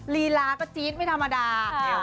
ลีลาก็จี๊ดไม่ธรรมดา